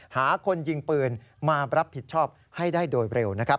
หาคนยิงปืนมารับผิดชอบให้ได้โดยเร็วนะครับ